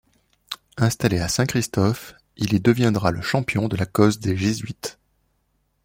Installé à Saint-Christophe, il y deviendra le champion de la cause des Jésuites.